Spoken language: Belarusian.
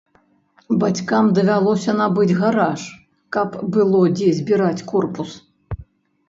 Бацькам давялося набыць гараж, каб было дзе збіраць корпус.